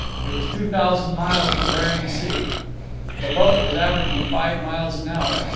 It was two thousand miles to Bering Sea. The boat was averaging five miles an hour.